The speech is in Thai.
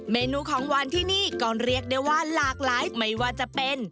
เมนูของหวานที่นี่ก็เรียกได้ว่าหลากหลายไม่ว่าจะเป็น